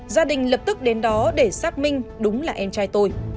gia đình lập tức đến đó để xác minh đúng là em trai tôi